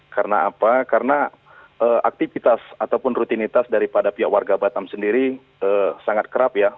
karena apa karena aktivitas ataupun rutinitas daripada pihak warga batam sendiri sangat kerap ya